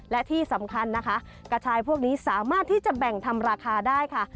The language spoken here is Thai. และที่สำคัญนะคะกระชายพวกนี้สามารถที่จะแบ่งทำราคาได้ค่ะ